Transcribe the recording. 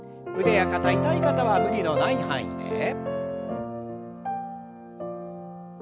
腕や肩痛い方は無理のない範囲で。